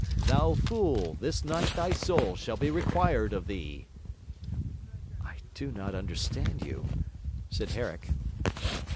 Thou fool, this night thy soul shall be required of thee.' 'I do not understand you,' said Herrick.